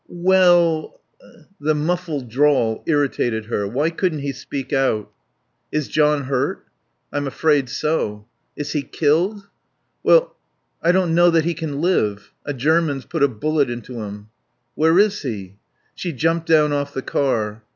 "We ell " The muffled drawl irritated her. Why couldn't he speak out? "Is John hurt?" "I'm afraid so." "Is he killed?" "Well I don't know that he can live. A German's put a bullet into him." "Where is he?" She jumped down off the car.